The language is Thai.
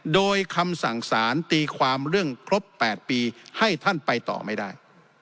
โดยคำสั่งสารตีความเรื่องครบ๘ปีให้ท่านไปต่อไม่ได้